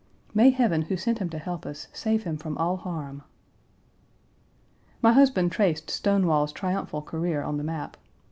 May heaven, who sent him to help us, save him from all harm! My husband traced Stonewall's triumphal career on the map.